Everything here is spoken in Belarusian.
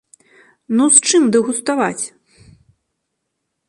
Ну з чым дэгуставаць?